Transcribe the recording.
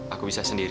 aku bisa sendiri